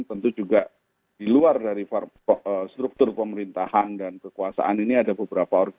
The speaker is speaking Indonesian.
tentu juga di luar dari struktur pemerintahan dan kekuasaan ini ada beberapa